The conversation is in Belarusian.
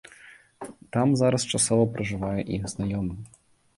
Там зараз часова пражывае іх знаёмы.